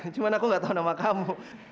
cuma aku gak tau nama kamu